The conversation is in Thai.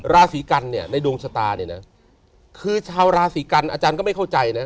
ราศีกันเนี่ยในดวงชะตาเนี่ยนะคือชาวราศีกันอาจารย์ก็ไม่เข้าใจนะ